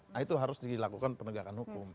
nah itu harus dilakukan penegakan hukum